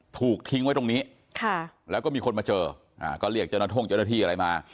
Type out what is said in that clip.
ถูกทิ้งไว้ตรงนี้ค่ะแล้วก็มีคนมาเจออ่าก็เรียกเจ้าหน้าท่งเจ้าหน้าที่อะไรมา